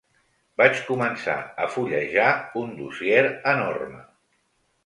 Vaig començar a fullejar un dossier enorme.